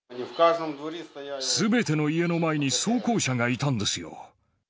すべての家の前に装甲車がいたんですよ。